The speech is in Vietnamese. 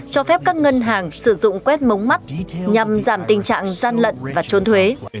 cho phép các ngân hàng sử dụng quét mống mắt nhằm giảm tình trạng gian lận và trốn thuế